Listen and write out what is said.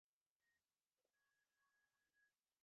নিষেধ, নিষেধ, নিষেধ, সর্বত্রই নিষেধ!